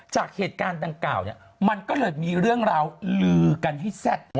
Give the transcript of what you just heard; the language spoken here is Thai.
จากเหตุการณ์ดังกล่าวเนี่ยมันก็เลยมีเรื่องราวลือกันให้แซ่บ